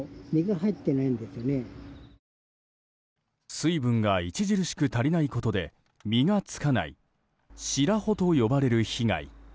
水分が著しく足りないことで実がつかないという白穂と呼ばれる被害。